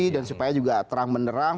dan supaya juga terang benerang